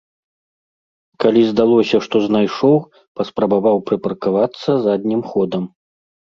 Калі здалося, што знайшоў, паспрабаваў прыпаркавацца заднім ходам.